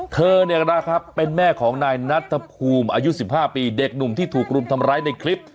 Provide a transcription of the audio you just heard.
เธอเป็นแม่ของนายนัทภูมิอายุ๑๕ปีเด็กหนุ่มที่ถูกกรุ่มทำร้ายในคลิป